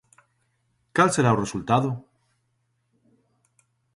Cal será o resultado?